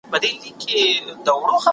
ټینګ اراده د بریا مهم شرط دی.